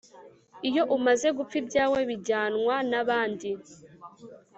iyo umaze gupfa ibyawe bijyanwa n'abandi